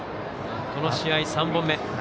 この試合３本目。